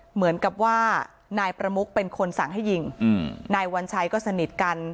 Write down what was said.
เหมือนกับว่านายประมุกเป็นคนสั่งให้ยิงนายวัญชัยก็สนิทกัน